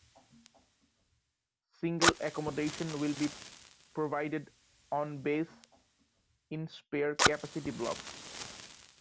Single accommodation will be provided on base in spare capacity blocks.